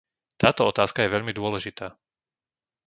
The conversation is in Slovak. Táto otázka je veľmi dôležitá.